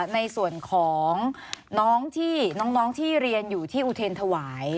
ในส่วนของน้องที่น้องที่เรียนอยู่ที่อุเทรนธวาย